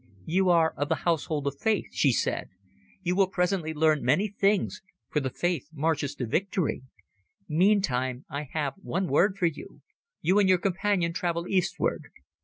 "You are of the Household of Faith," she said. "You will presently learn many things, for the Faith marches to victory. Meantime I have one word for you. You and your companion travel eastward."